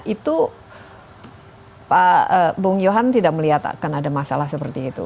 itu pak bung johan tidak melihat akan ada masalah seperti itu